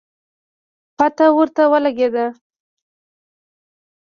پته ورته ولګېده